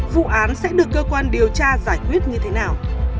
vụ án sẽ được cơ quan điều tra giải quyết như thế nào